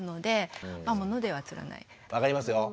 わかりますよ。